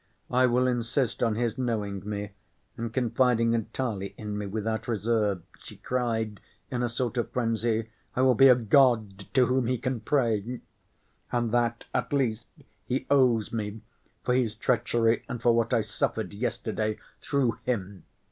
I will insist on his knowing me and confiding entirely in me, without reserve," she cried, in a sort of frenzy. "I will be a god to whom he can pray—and that, at least, he owes me for his treachery and for what I suffered yesterday through him.